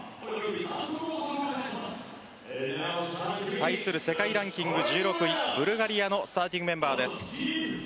対する世界ランキング１６位ブルガリアのスターティングメンバーです。